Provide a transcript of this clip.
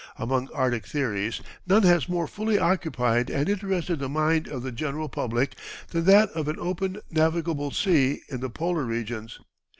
Among Arctic theories none has more fully occupied and interested the mind of the general public than that of an open, navigable sea in the polar regions.